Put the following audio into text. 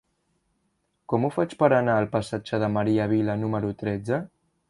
Com ho faig per anar al passatge de Maria Vila número tretze?